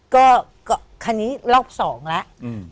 ก็คันนี้รอบสองแล้ว